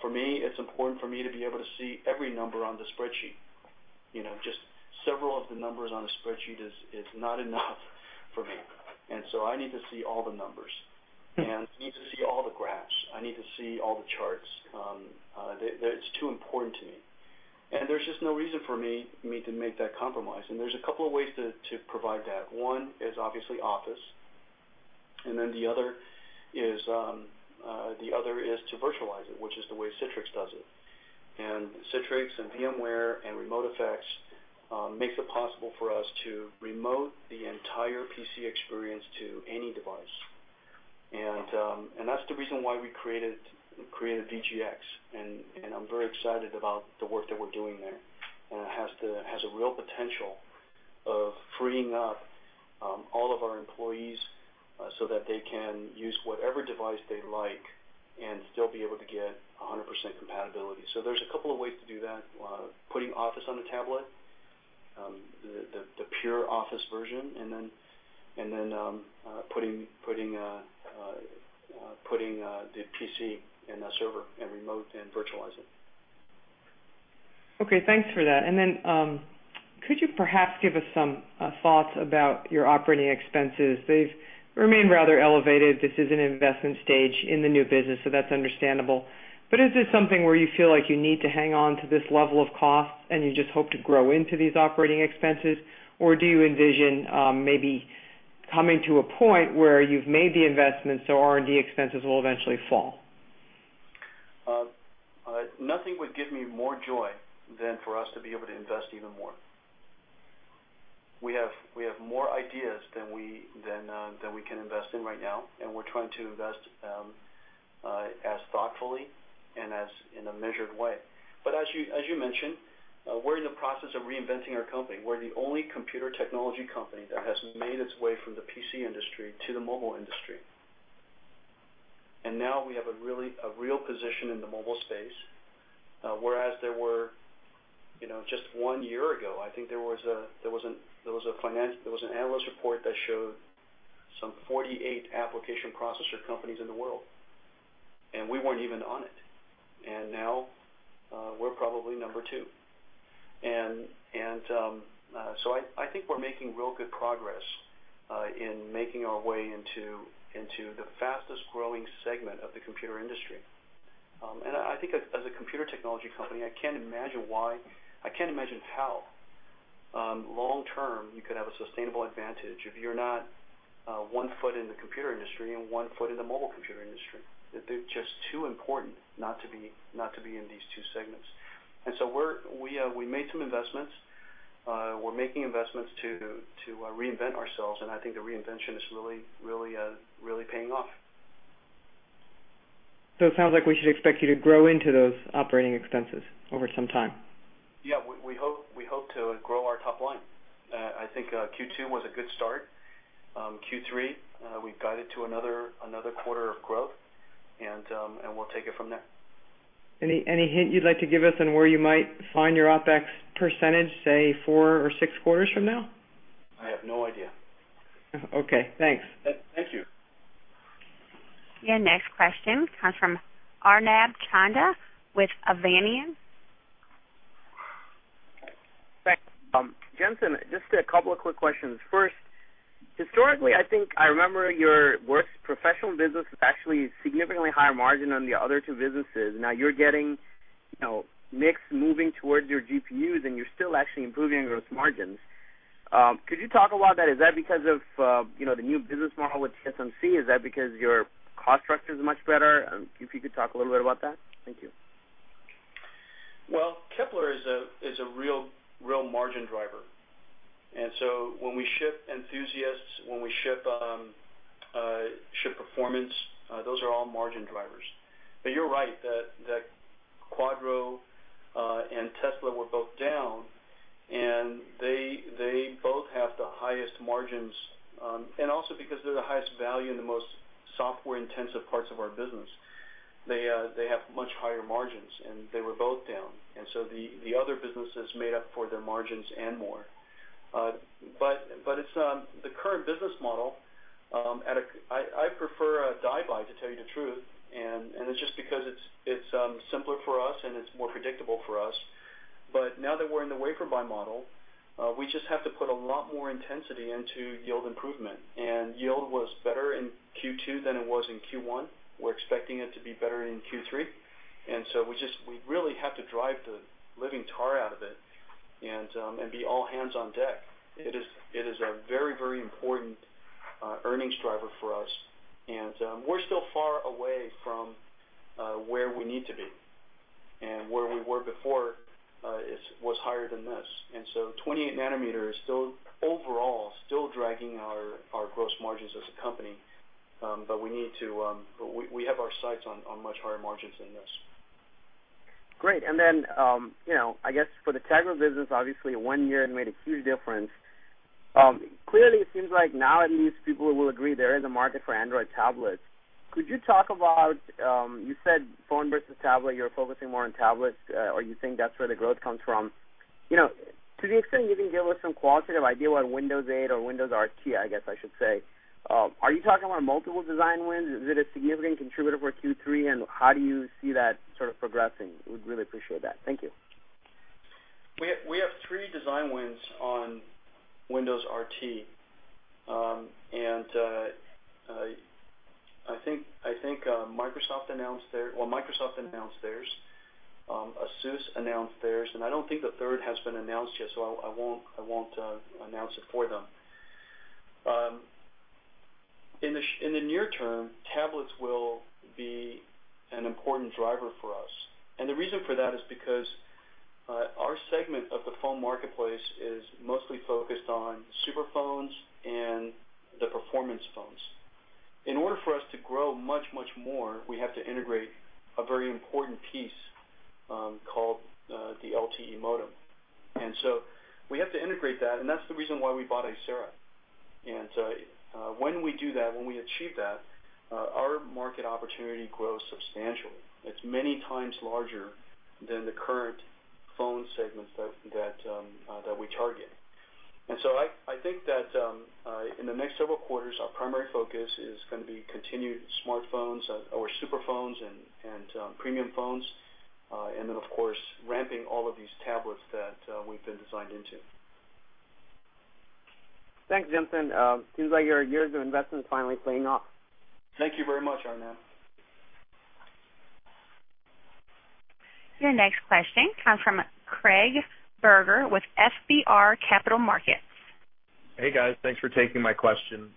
[SPEAKER 5] For me, it's important for me to be able to see every number on the spreadsheet. Just several of the numbers on a spreadsheet is not enough for me. I need to see all the numbers, and I need to see all the graphs. I need to see all the charts. That's too important to me. There's just no reason for me to make that compromise. There's a couple of ways to provide that. One is obviously Office, and then the other is to virtualize it, which is the way Citrix does it. Citrix and VMware and RemoteFX makes it possible for us to remote the entire PC experience to any device. That's the reason why we created VGX, and I'm very excited about the work that we're doing there. It has a real potential of freeing up all of our employees so that they can use whatever device they like and still be able to get 100% compatibility. There's a couple of ways to do that. Putting Office on the tablet, the pure Office version, putting the PC in a server and remote and virtualize it.
[SPEAKER 15] Okay, thanks for that. Could you perhaps give us some thoughts about your operating expenses? They've remained rather elevated. This is an investment stage in the new business, so that's understandable. Is this something where you feel like you need to hang on to this level of cost and you just hope to grow into these operating expenses? Do you envision maybe coming to a point where you've made the investments, so R&D expenses will eventually fall?
[SPEAKER 5] Nothing would give me more joy than for us to be able to invest even more. We have more ideas than we can invest in right now, and we're trying to invest as thoughtfully and in a measured way. As you mentioned, we're in the process of reinventing our company. We're the only computer technology company that has made its way from the PC industry to the mobile industry. Now we have a real position in the mobile space. Whereas there were, just one year ago, I think there was an analyst report that showed some 48 application processor companies in the world, and we weren't even on it. Now we're probably number 2. I think we're making real good progress in making our way into the fastest-growing segment of the computer industry. I think as a computer technology company, I can't imagine how long-term you could have a sustainable advantage if you're not one foot in the computer industry and one foot in the mobile computer industry. They're just too important not to be in these two segments. We made some investments. We're making investments to reinvent ourselves, and I think the reinvention is really paying off.
[SPEAKER 15] It sounds like we should expect you to grow into those operating expenses over some time.
[SPEAKER 5] Yeah, we hope to grow our top line. I think Q2 was a good start. Q3, we've guided to another quarter of growth, and we'll take it from there.
[SPEAKER 15] Any hint you'd like to give us on where you might find your OpEx percentage, say, four or six quarters from now?
[SPEAKER 5] I have no idea.
[SPEAKER 15] Okay, thanks.
[SPEAKER 5] Thank you.
[SPEAKER 1] Your next question comes from Arnab Chanda with Oppenheimer.
[SPEAKER 16] Thanks. Jensen, just a couple of quick questions. First, historically, I think I remember your worst professional business was actually significantly higher margin on the other two businesses. Now you're getting mix moving towards your GPUs, and you're still actually improving gross margins. Could you talk about that? Is that because of the new business model with TSMC? Is that because your cost structure is much better? If you could talk a little bit about that. Thank you.
[SPEAKER 5] Kepler is a real margin driver. When we ship enthusiasts, when we ship performance, those are all margin drivers. You're right, that Quadro and Tesla were both down, and they both have the highest margins. Also because they're the highest value and the most software-intensive parts of our business, they have much higher margins, and they were both down. The other businesses made up for their margins and more. The current business model, I prefer a die buy, to tell you the truth, and it's just because it's simpler for us and it's more predictable for us. Now that we're in the wafer buy model, we just have to put a lot more intensity into yield improvement. Yield was better in Q2 than it was in Q1. We're expecting it to be better in Q3. We really have to drive the living tar out of it and be all hands on deck. It is a very important earnings driver for us. We're still far away from where we need to be. Where we were before was higher than this. 28-nanometer is still overall dragging our gross margins as a company. We have our sights on much higher margins than this.
[SPEAKER 16] Great. I guess for the Tegra business, obviously one year it made a huge difference. Clearly it seems like now at least people will agree there is a market for Android tablets. Could you talk about, you said phone versus tablet, you're focusing more on tablets or you think that's where the growth comes from. To the extent you can give us some qualitative idea what Windows 8 or Windows RT, I guess I should say, are you talking about multiple design wins? Is it a significant contributor for Q3 and how do you see that sort of progressing? We'd really appreciate that. Thank you.
[SPEAKER 5] We have three design wins on Windows RT. I think Microsoft announced theirs, ASUS announced theirs, and I don't think the third has been announced yet, so I won't announce it for them. In the near term, tablets will be an important driver for us. The reason for that is because our segment of the phone marketplace is mostly focused on super phones and the performance phones. In order for us to grow much more, we have to integrate a very important piece called the LTE modem. We have to integrate that, and that's the reason why we bought Icera. When we do that, when we achieve that our market opportunity grows substantially. It's many times larger than the current phone segments that we target. I think that in the next several quarters, our primary focus is going to be continued smartphones or super phones and premium phones. Then of course, ramping all of these tablets that we've been designed into.
[SPEAKER 16] Thanks, Jensen. Seems like your years of investment is finally paying off.
[SPEAKER 5] Thank you very much, Arnab.
[SPEAKER 1] Your next question comes from Craig Berger with FBR Capital Markets.
[SPEAKER 17] Hey guys. Thanks for taking my question.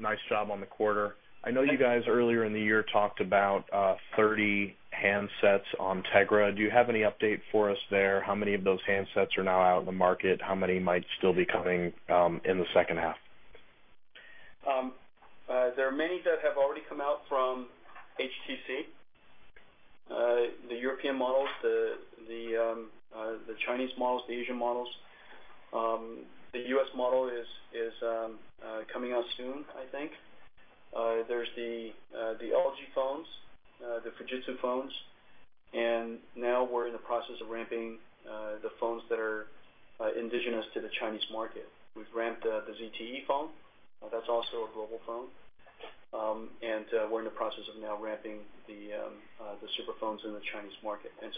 [SPEAKER 17] Nice job on the quarter. I know you guys earlier in the year talked about 30 handsets on Tegra. Do you have any update for us there? How many of those handsets are now out in the market? How many might still be coming in the second half?
[SPEAKER 5] There are many that have already come out from HTC, the European models, the Chinese models, the Asian models. The U.S. model is coming out soon, I think. There's the LG phones, the Fujitsu phones, now we're in the process of ramping the phones that are indigenous to the Chinese market. We've ramped the ZTE phone. That's also a global phone. We're in the process of now ramping the super phones in the Chinese market. As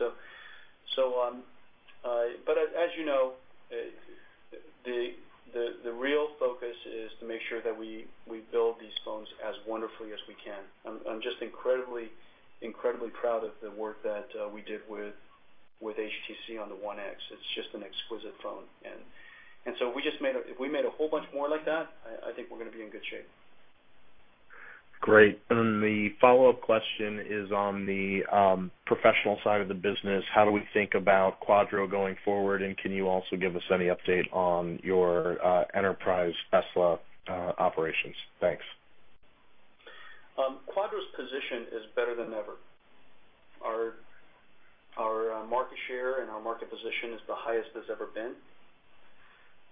[SPEAKER 5] you know the real focus is to make sure that we build these phones as wonderfully as we can. I'm just incredibly proud of the work that we did with HTC on the One X. It's just an exquisite phone. If we made a whole bunch more like that, I think we're going to be in good shape.
[SPEAKER 17] Great. The follow-up question is on the professional side of the business. How do we think about Quadro going forward? Can you also give us any update on your enterprise Tesla operations? Thanks.
[SPEAKER 5] Quadro's position is better than ever. Our market share and our market position is the highest it's ever been.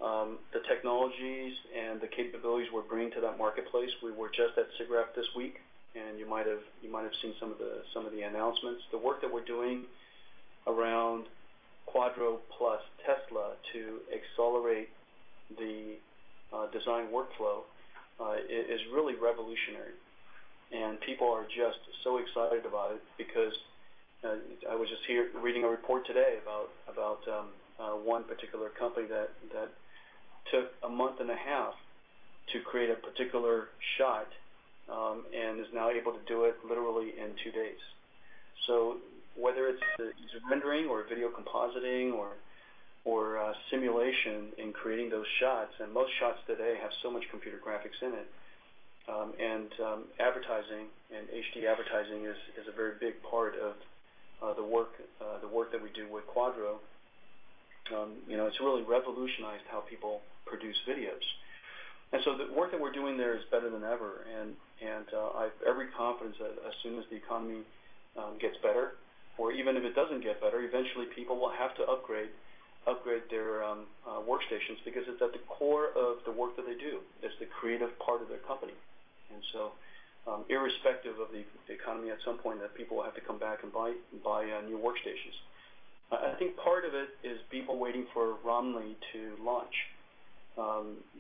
[SPEAKER 5] The technologies and the capabilities we're bringing to that marketplace, we were just at SIGGRAPH this week, you might have seen some of the announcements. The work that we're doing around Quadro plus Tesla to accelerate the design workflow is really revolutionary. People are just so excited about it because I was just here reading a report today about one particular company that took a month and a half to create a particular shot and is now able to do it literally in two days. Whether it's rendering or video compositing or simulation in creating those shots, most shots today have so much computer graphics in it, advertising and HD advertising is a very big part of the work that we do with Quadro. It's really revolutionized how people produce videos. The work that we're doing there is better than ever, and I have every confidence that as soon as the economy gets better, or even if it doesn't get better, eventually people will have to upgrade their workstations because it's at the core of the work that they do, it's the creative part of their company. Irrespective of the economy, at some point that people will have to come back and buy new workstations. I think part of it is people waiting for Romley to launch.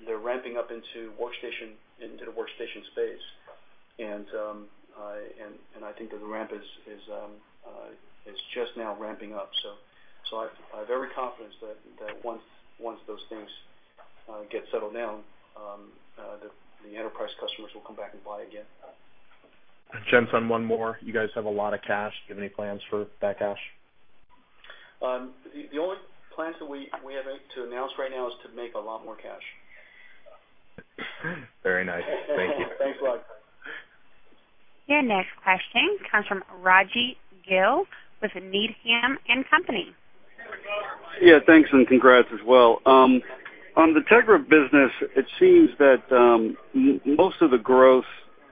[SPEAKER 5] They're ramping up into the workstation space, and I think that the ramp is just now ramping up. I have every confidence that once those things get settled down the enterprise customers will come back and buy again.
[SPEAKER 17] Jensen, one more. You guys have a lot of cash. Do you have any plans for that cash?
[SPEAKER 5] The only plans that we have to announce right now is to make a lot more cash.
[SPEAKER 17] Very nice. Thank you.
[SPEAKER 5] Thanks a lot.
[SPEAKER 1] Your next question comes from Rajvindra Gill with Needham & Company.
[SPEAKER 18] Thanks and congrats as well. On the Tegra business, it seems that most of the growth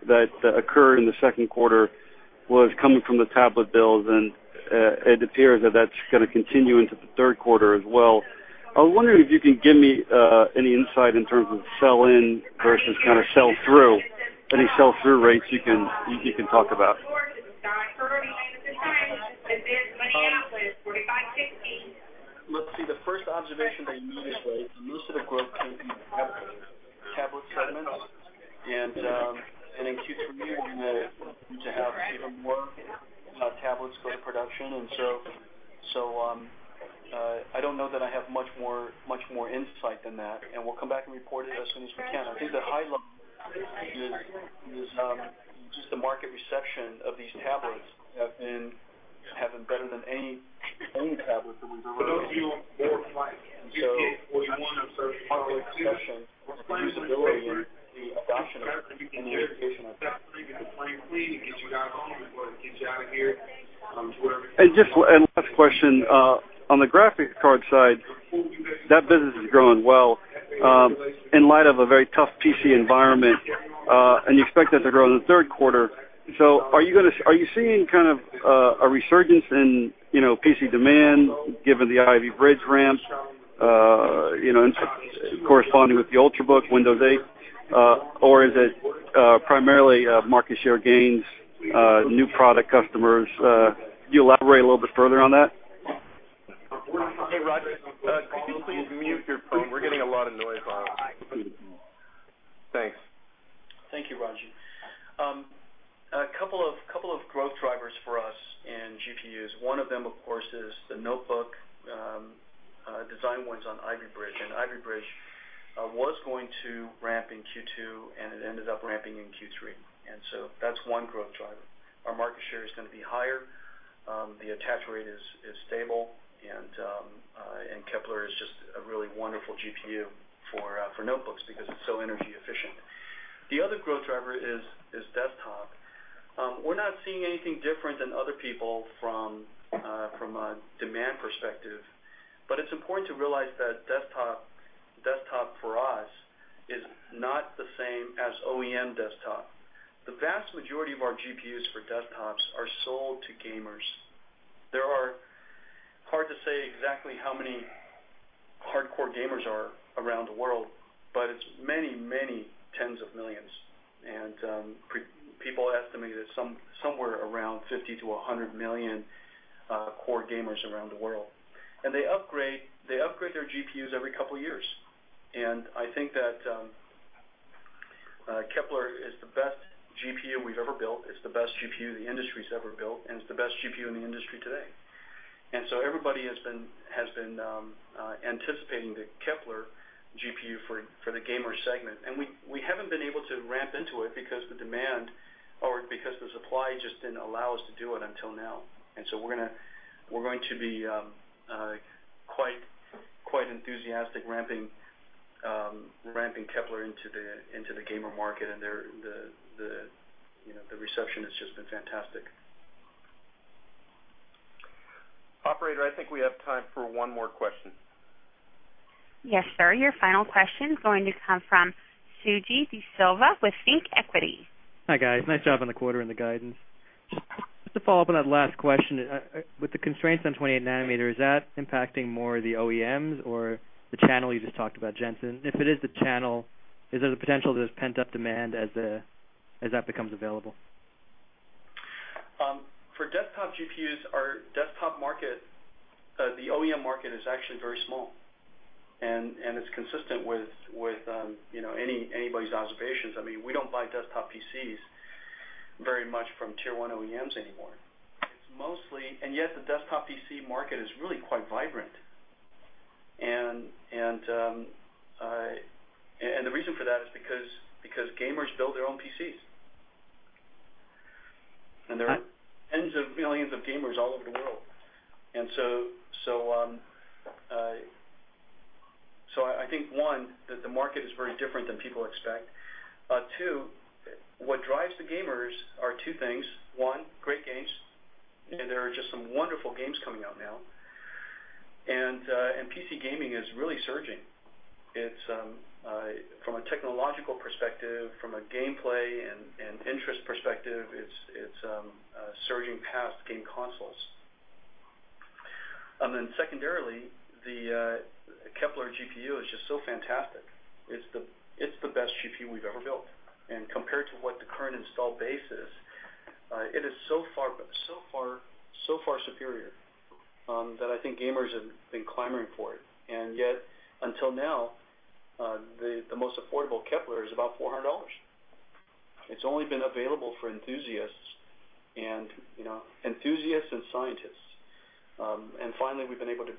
[SPEAKER 18] that occurred in the second quarter was coming from the tablet builds, and it appears that that's going to continue into the third quarter as well. I was wondering if you could give me any insight in terms of sell-in versus sell-through, any sell-through rates you can talk about.
[SPEAKER 5] Let's see, the first observation immediately, most of the growth came from tablet segments, and in Q3 we aim to have even more tablets go to production. I don't know that I have much more insight than that, and we'll come back and report it as soon as we can. I think the high level is just the market reception of these tablets have been better than any tablet that we've ever done before. In terms of market acceptance, usability, the adoption in the education market.
[SPEAKER 18] Last question, on the graphics card side, that business is growing well in light of a very tough PC environment, and you expect that to grow in the third quarter. Are you seeing a resurgence in PC demand given the Ivy Bridge ramp, in corresponding with the Ultrabook Windows 8? Or is it primarily market share gains, new product customers? Could you elaborate a little bit further on that?
[SPEAKER 5] Hey, Rajee, could you please mute your phone? We're getting a lot of noise on it.
[SPEAKER 18] I can.
[SPEAKER 5] Thanks. Thank you, Rajee. A couple of growth drivers for us in GPUs, one of them, of course, is the notebook design wins on Ivy Bridge. Ivy Bridge was going to ramp in Q2, and it ended up ramping in Q3, and so that's one growth driver. Our market share is going to be higher. The attach rate is stable, and Kepler is just a really wonderful GPU for notebooks because it's so energy efficient. The other growth driver is desktop. We're not seeing anything different than other people from a demand perspective, but it's important to realize that desktop for us is not the same as OEM desktop. The vast majority of our GPUs for desktops are sold to gamers. Hard to say exactly how many hardcore gamers are around the world, but it's many, many tens of millions, and people estimate it at somewhere around 50 to 100 million core gamers around the world. They upgrade their GPUs every couple of years. I think that Kepler is the best GPU we've ever built. It's the best GPU the industry's ever built, and it's the best GPU in the industry today. Everybody has been anticipating the Kepler GPU for the gamer segment. We haven't been able to ramp into it because the supply just didn't allow us to do it until now. We're going to be quite enthusiastic ramping Kepler into the gamer market, and the reception has just been fantastic. Operator, I think we have time for one more question.
[SPEAKER 1] Yes, sir. Your final question is going to come from Suji Desilva with ThinkEquity.
[SPEAKER 19] Hi, guys. Nice job on the quarter and the guidance. Just to follow up on that last question, with the constraints on 28 nanometer, is that impacting more the OEMs or the channel you just talked about, Jensen? If it is the channel, is there the potential there's pent-up demand as that becomes available?
[SPEAKER 5] For desktop GPUs, our desktop market, the OEM market, is actually very small, and it's consistent with anybody's observations. We don't buy desktop PCs very much from tier 1 OEMs anymore. The desktop PC market is really quite vibrant. The reason for that is because gamers build their own PCs.
[SPEAKER 19] Huh?
[SPEAKER 5] There are tens of millions of gamers all over the world. I think, one, that the market is very different than people expect. Two, what drives the gamers are two things. One, great games, and there are just some wonderful games coming out now. PC gaming is really surging. From a technological perspective, from a gameplay and interest perspective, it's surging past game consoles. Secondarily, the Kepler GPU is just so fantastic. It's the best GPU we've ever built. Compared to what the current install base is, it is so far superior, that I think gamers have been clamoring for it. Until now, the most affordable Kepler is about $400. It's only been available for enthusiasts and scientists. Finally, we've been able to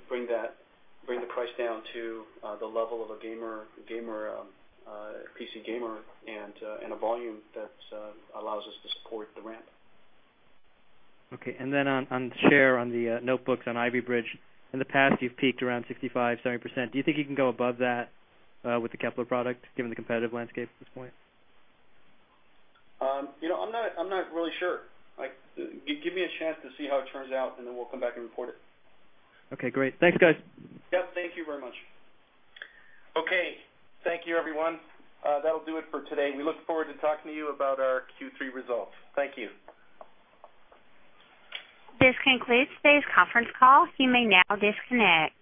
[SPEAKER 5] bring the price down to the level of a PC gamer and a volume that allows us to support the ramp.
[SPEAKER 19] Okay, on share on the notebooks on Ivy Bridge, in the past you've peaked around 65%, 70%. Do you think you can go above that with the Kepler product given the competitive landscape at this point?
[SPEAKER 5] I'm not really sure. Give me a chance to see how it turns out, and then we'll come back and report it.
[SPEAKER 19] Okay, great. Thanks, guys.
[SPEAKER 5] Yeah, thank you very much. Okay, thank you, everyone. That'll do it for today. We look forward to talking to you about our Q3 results. Thank you.
[SPEAKER 1] This concludes today's conference call. You may now disconnect.